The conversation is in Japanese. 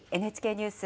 ＮＨＫニュース